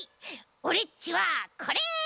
オレっちはこれ。